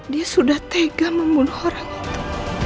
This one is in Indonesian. dia sudah tega membunuh orang itu